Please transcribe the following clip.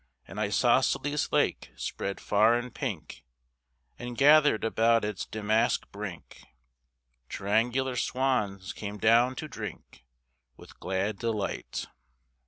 An isosceles lake spread fair and pink, And, gathered about its damask brink, Triangular swans came down to drink With glad delight.